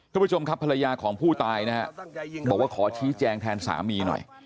คุณผู้ชมครับภรรยาของผู้ตายนะฮะบอกว่าขอชี้แจงแทนสามีหน่อย